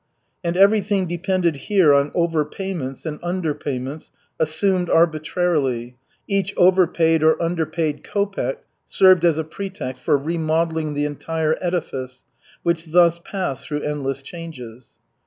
And everything depended here on overpayments and underpayments assumed arbitrarily, each overpaid or underpaid kopek served as a pretext for remodelling the entire edifice, which thus passed through endless changes.